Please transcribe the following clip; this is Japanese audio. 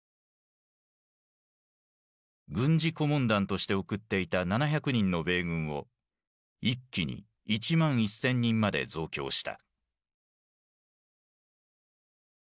軍事顧問団として送っていた７００人の米軍を一気に１万１，０００人まで増強した。